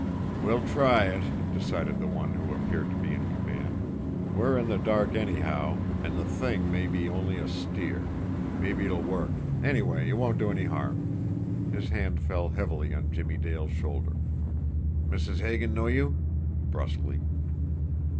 "We'll try it," decided the one who appeared to be in command. "We're in the dark, anyhow, and the thing may be only a steer. Mabbe it'll work anyway, it won't do any harm." His hand fell heavily on Jimmie Dale's shoulder. "Mrs. Hagan know you?" brusquely.